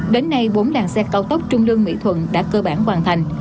đến nay bốn làng xe cao tốc trung lương mỹ thuận đã cơ bản hoàn thành